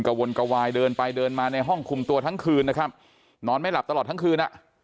วนกระวายเดินไปเดินมาในห้องคุมตัวทั้งคืนนะครับนอนไม่หลับตลอดทั้งคืนอ่ะ